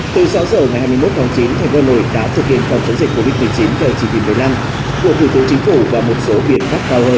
từ sáu giờ ngày hai mươi một tháng chín thành phố hà nội đã thực hiện phòng chống dịch covid một mươi chín vào chương trình lời lăng của thủ tướng chính phủ và một số biện pháp cao hơn